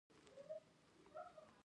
د قناعت معنا په شتو باندې خوشاله کېدل.